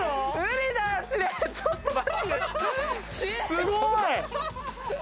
すごい！